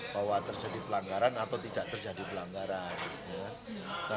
bahwa terjadi pelanggaran atau tidak terjadi pelanggaran